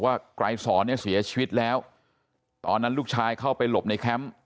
ไกรสอนเนี่ยเสียชีวิตแล้วตอนนั้นลูกชายเข้าไปหลบในแคมป์